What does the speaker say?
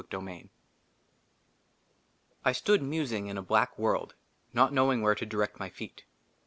5» ^^ XLIX I STOOD MUSING IN A BLACK WORLD, NOT KNOWING WHERE TO DIRECT MY FEET.